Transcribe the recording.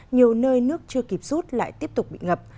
nhiều nơi nước chưa kịp rút lại tiếp tục bị ngập